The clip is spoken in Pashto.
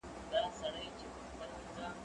زه اوس انځور ګورم!؟